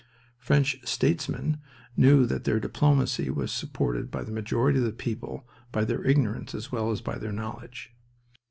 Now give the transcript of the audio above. French statesmen knew that their diplomacy was supported by the majority of the people by their ignorance as well as by their knowledge.